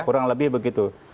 kurang lebih begitu